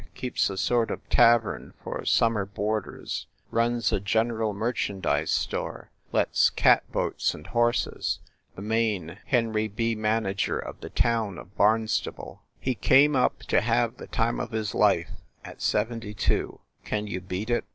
Keeps a sort of tavern for summer boarders, runs a general mer chandise store, lets cat boats and horses, the main Henry B. Manager of the town of Barnstable. He THE LIARS CLUB 59 came up to have the time of his life at seventy two can you beat it?